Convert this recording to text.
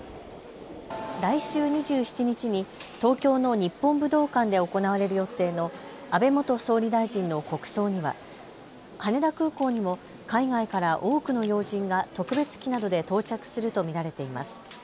来週２７日に東京の日本武道館で行われる予定の安倍元総理大臣の国葬には羽田空港にも海外から多くの要人が特別機などで到着すると見られています。